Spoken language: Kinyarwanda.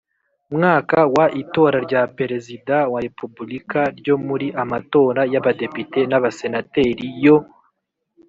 Mwaka wa itora rya perezida wa repubulika ryo muri amatora y abadepite n abasenateri yo